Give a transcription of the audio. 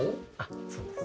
そうです。